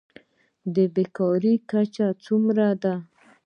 د بیکارۍ کچه څومره ده؟